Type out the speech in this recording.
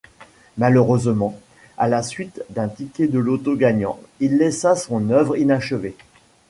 Malheureusement, à la suite d'un ticket de loto gagnant il laissa son œuvre inachevée.